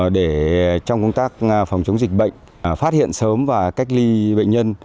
để trong công tác phòng chống dịch bệnh phát hiện sớm và cách ly bệnh nhân